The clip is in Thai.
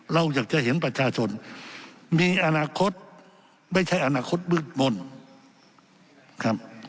เราอยากจะเห็นประชาชนมีอนาคตไม่ใช่อนาคตมืดมนต์ครับ